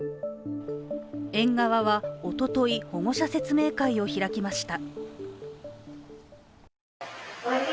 園側はおととい、保護者説明会を開きました。